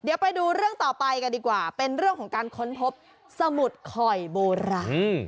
เดี๋ยวไปดูเรื่องต่อไปกันดีกว่าเป็นเรื่องของการค้นพบสมุดข่อยโบราณ